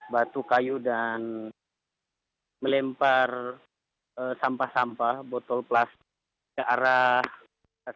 batu kayu dan melempar sampah sampah botol plastik